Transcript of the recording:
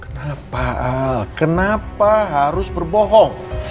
kenapa kenapa harus berbohong